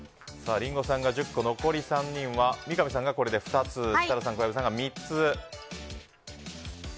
リンゴさんが１０個三上さんが２つ設楽さん、小籔さんが３つ。